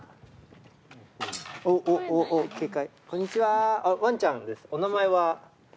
お名前は？